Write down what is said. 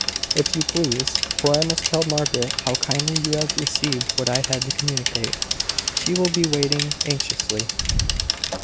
"If you please; for I must tell Margaret how kindly you have received what I had to communicate. She will be waiting anxiously."